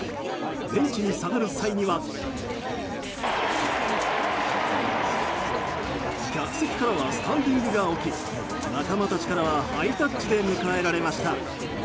ベンチに下がる際には客席からはスタンディングが起き仲間たちからはハイタッチで迎えられました。